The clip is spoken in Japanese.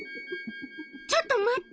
ちょっと待って。